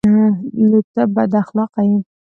_نو ته بد اخلاقه يې؟